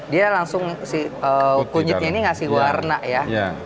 dia langsung si kunyitnya ini ngasih warna ya